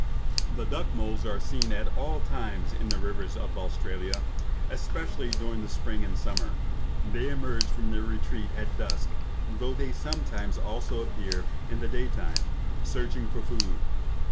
The duck moles are seen at all times in the rivers of Australia, especially during the spring and summer. They emerge from their retreats at dusk, though they sometimes also appear in the day time, searching for food.